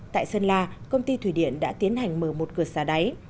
tại sơn la công ty thủy điện đã tiến hành mở một cửa xà đáy